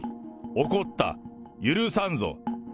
怒った、許さんぞ。